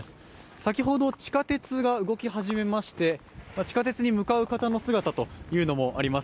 先ほど、地下鉄が動き始めまして、地下鉄に向かう人の姿もあります。